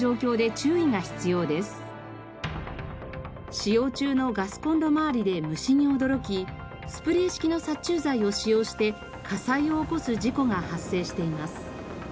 使用中のガスコンロ周りで虫に驚きスプレー式の殺虫剤を使用して火災を起こす事故が発生しています。